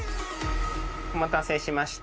お待たせしました。